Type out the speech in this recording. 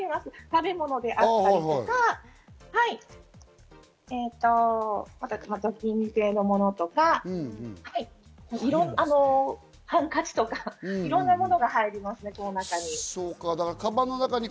食べ物であったりとか、除菌系のものとか、ハンカチとかいろんなものが入ります、この中に。